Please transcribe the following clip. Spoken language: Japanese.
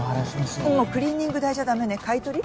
うんもうクリーニング代じゃだめね買い取り？